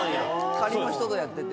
仮の人とやってて。